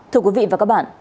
thưa quý vị và các bạn